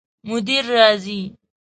مدیر راځي؟